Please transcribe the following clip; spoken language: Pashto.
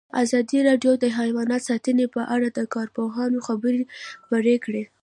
ازادي راډیو د حیوان ساتنه په اړه د کارپوهانو خبرې خپرې کړي.